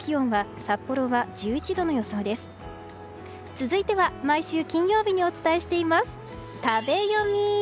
続いては、毎週金曜日にお伝えしています、食べヨミ。